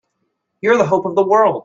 You're the hope of the world!